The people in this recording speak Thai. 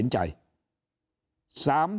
ก่อนจะให้เขาเสนอชื่อเป็นแคนดิเดตนายกรัฐมนตรี